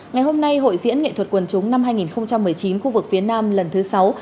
ngày hôm nay hội diễn nghệ thuật quần chúng năm hai nghìn một mươi chín khu vực phía nam lần thứ sáu